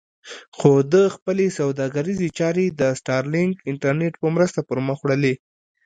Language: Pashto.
خو ده خپلې سوداګریزې چارې د سټارلېنک انټرنېټ په مرسته پر مخ وړلې.